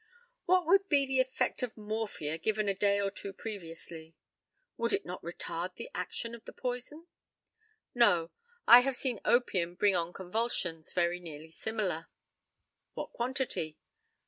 What would be the effect of morphia given a day or two previously? Would it not retard the action of the poison? No; I have seen opium bring on convulsions very nearly similar. What quantity?